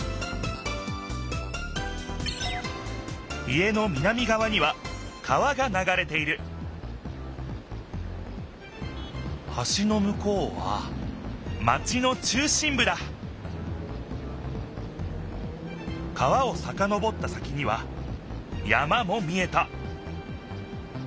家の南がわには川がながれているはしのむこうはマチの中心ぶだ川をさかのぼった先には山も見えた